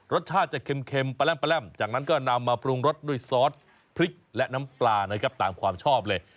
รสชาติจะเค็มจากนั้นก็นำมาปรุงรสด้วยซอสพริกและน้ำปลานะครับตามความชอบเลย